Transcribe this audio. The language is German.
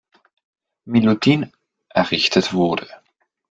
Milutin errichtet wurde.